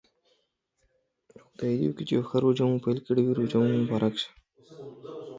توماس د ښه کېدو هیله نه پرېښوده.